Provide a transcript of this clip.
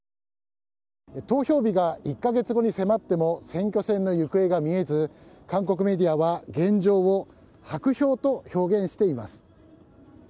投票日が１か月後に迫っても、選挙戦の行方が見えず、韓国メディアは現状を薄氷と表現しています。